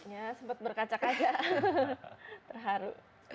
ya sempat berkacak aja terharu